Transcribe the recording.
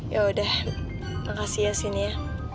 yaudah makasih ya sin ya